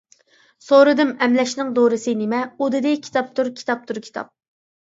سورىدىم، ئەملەشنىڭ دورىسى نېمە؟ ئۇ دېدى: كىتابتۇر، كىتابتۇر، كىتاب!